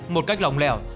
một cách lỏng lẻo